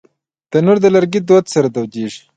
تنور د لرګي دود سره تودېږي